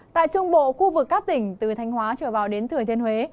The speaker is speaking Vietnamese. tại trung bộ khu vực các tỉnh từ thanh hóa trở vào đến thừa thiên huế